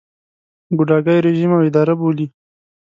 ګوډاګی رژیم او اداره بولي.